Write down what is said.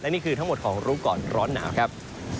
นี่คือทั้งหมดของรู้ก่อนร้อนหนาวครับ